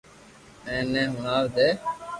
ايني ھڻوا دي